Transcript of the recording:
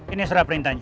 ini surat perintahnya